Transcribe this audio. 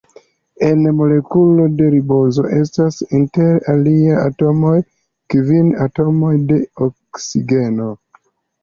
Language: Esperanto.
En molekulo de ribozo estas, inter aliaj atomoj, kvin atomoj de oksigeno.